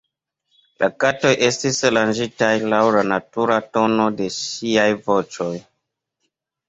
La katoj estis aranĝitaj laŭ la natura tono de siaj voĉoj.